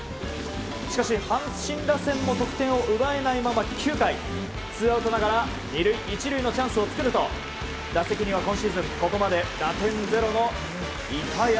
しかし阪神打線も得点を奪えないまま９回、ツーアウトながら２塁１塁のチャンスを作ると打席には今シーズンここまで打点０の板山。